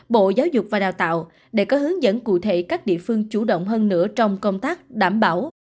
bộ giáo dục và đào tạo để có hướng dẫn cụ thể các địa phương chủ động hơn nữa trong công tác đảm bảo